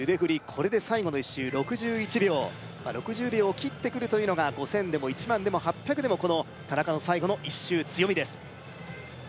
これで最後の１周６１秒まあ６０秒を切ってくるというのが５０００でも１００００でも８００でもこの田中の最後の１周強みです